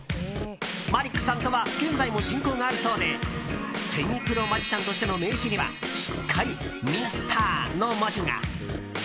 マリックさんとは現在も親交があるそうでセミプロマジシャンとしての名刺にはしっかり「Ｍｒ．」の文字が。